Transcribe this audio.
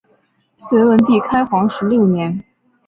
隋文帝开皇十六年。